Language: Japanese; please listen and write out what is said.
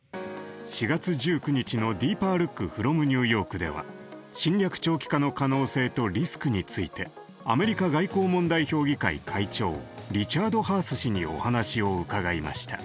４月１９日の「ＤＥＥＰＥＲＬＯＯＫｆｒｏｍＮｅｗＹｏｒｋ」では侵略長期化の可能性とリスクについてアメリカ外交問題協議会会長リチャード・ハース氏にお話を伺いました。